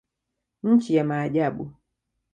Nchi ya maajabu.